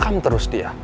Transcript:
kamu terus dia